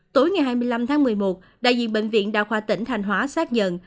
tối ngày hai mươi năm tháng một mươi một đại diện bệnh viện đa khoa tỉnh thanh hóa xác nhận